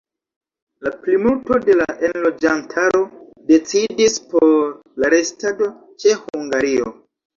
La plimulto de la enloĝantaro decidis por la restado ĉe Hungario.